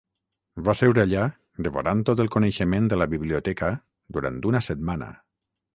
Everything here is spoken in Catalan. Va seure allà devorant tot el coneixement de la biblioteca durant una setmana.